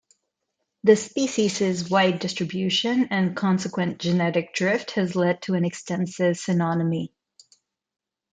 The species' wide distribution and consequent genetic drift has led to an extensive synonymy.